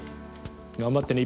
頑張ってね。